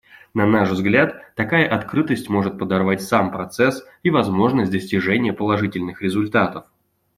На наш взгляд, такая открытость может подорвать сам процесс и возможность достижения положительных результатов.